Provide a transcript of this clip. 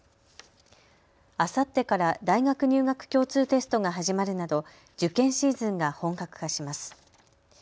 あさってから大学入学共通テストが始まるなど受験シーズンが本格化します。